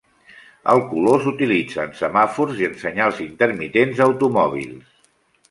El color s'utilitza en semàfors i en senyals intermitents d'automòbils.